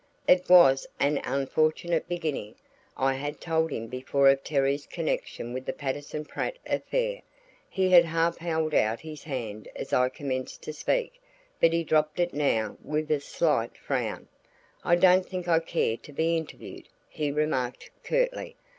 It was an unfortunate beginning; I had told him before of Terry's connection with the Patterson Pratt affair. He had half held out his hand as I commenced to speak, but he dropped it now with a slight frown. "I don't think I care to be interviewed," he remarked curtly.